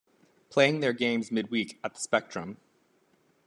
Playing their games midweek at the Spectrum.